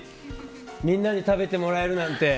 みんなに食べてもらえるなんて。